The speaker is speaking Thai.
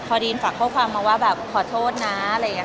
พอดีนฝากโทษความมาว่าแบบขอโทษนะอะไรอย่างเงี้ย